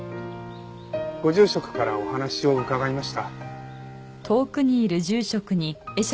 ご住職からお話を伺いました。